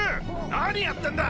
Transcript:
何やってんだ！